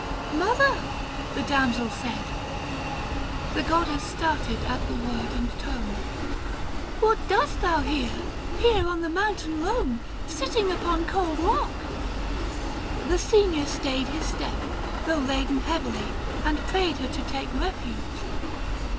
" Mother !" the damsel said — The goddess started at the word and tone — 575 " What dost thou here — here on the mountain lone, Sitting upon cold rock ?" The senior stayed His step, though laden heavily, and prayed Her to take refuge.